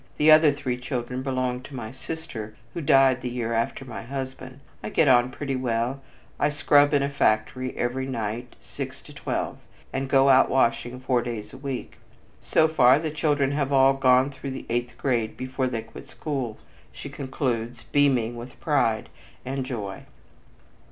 The other three children belong to my sister, who died the year after my husband. I get on pretty well. I scrub in a factory every night from six to twelve, and I go out washing four days a week. So far the children have all gone through the eighth grade before they quit school," she concludes, beaming with pride and joy.